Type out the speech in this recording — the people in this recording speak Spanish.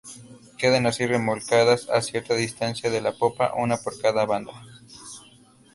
Quedan así remolcadas a cierta distancia de la popa una por cada banda.